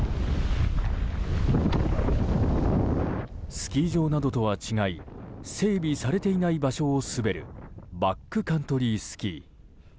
スキー場などとは違い整備されていない場所を滑るバックカントリースキー。